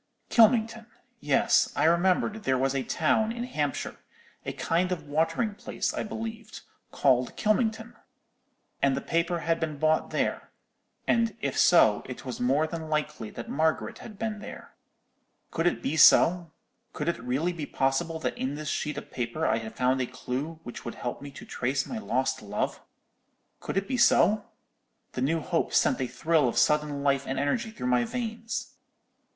Kylmington; yes, I remembered there was a town in Hampshire,—a kind of watering place, I believed,—called Kylmington! And the paper had been bought there—and if so, it was more than likely that Margaret had been there. "Could it be so? Could it be really possible that in this sheet of paper I had found a clue which would help me to trace my lost love? Could it be so? The new hope sent a thrill of sudden life and energy through my veins.